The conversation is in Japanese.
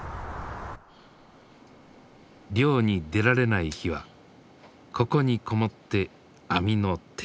漁に出られない日はここに籠もって網の手入れ。